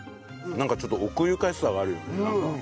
なんかちょっと奥ゆかしさがあるよねなんか。